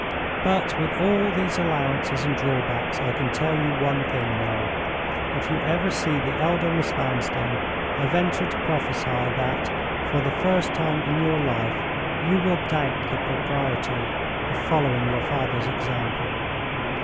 But, with all these allowances and drawbacks, I can tell you one thing, Noel. If you ever see the elder Miss Vanstone, I venture to prophesy that, for the first time in your life, you will doubt the propriety of following your father's example.